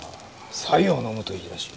白湯を飲むといいらしい。